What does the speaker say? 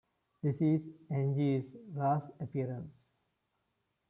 This is Angie's last appearance.